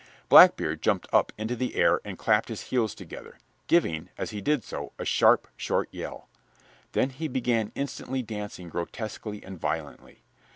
Blackbeard jumped up into the air and clapped his heels together, giving, as he did so, a sharp, short yell. Then he began instantly dancing grotesquely and violently.